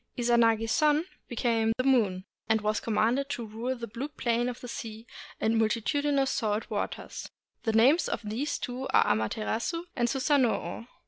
Izanagi's son became the moon, and was commanded to rule the blue plane of the sea and multitudinous salt waters. The names of these two are Amaterasu and Susanoo.